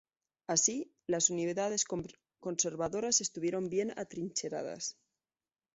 Así, las unidades conservadoras estuvieron bien atrincheradas.